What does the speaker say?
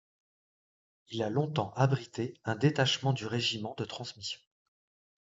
Il a longtemps abrité un détachement du régiment de transmissions.